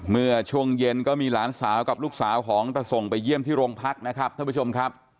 เมื่อช่วงเย็นก็มีหลานสาวกับลูกสาวของตะส่งไปเยี่ยมที่โรงพักนะครับท่านผู้ชมครับ